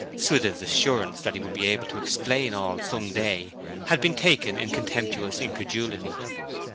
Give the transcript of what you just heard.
Swithin's assurance that he would be able to explain all some day had been taken in contemptuous incredulity.